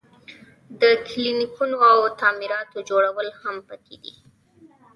د کلینیکونو او تعمیراتو جوړول هم پکې دي.